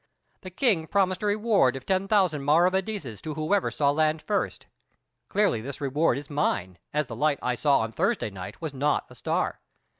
The King promised a reward of 10,000 Maravedises to whoever saw land first. Clearly this reward is mine, as the light I saw on Thursday night was not a star.